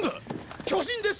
巨人です！